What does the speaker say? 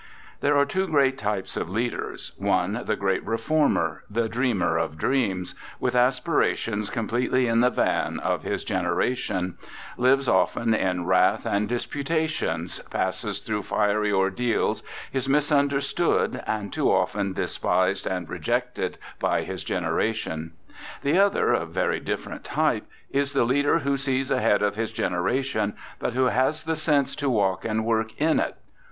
There are two great types of leaders ; one, the great reformer, the dreamer of dreams— with aspirations com pletely in the van of his generation — lives often in wrath and disputations, passes through fiery ordeals, is misunderstood, and too often despised and rejected by his generation. The other, a very different type, is the leader who sees ahead of his generation, but who has the sense to walk and work in it.